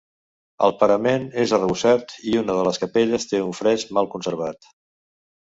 El parament és arrebossat i una de les capelles té un fresc mal conservat.